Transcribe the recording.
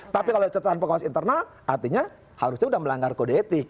tapi kalau catatan pengawas internal artinya harusnya sudah melanggar kode etik